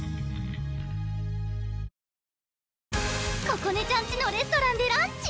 ここねちゃんちのレストランでランチ？